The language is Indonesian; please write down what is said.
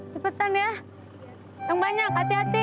cepetan ya yang banyak hati hati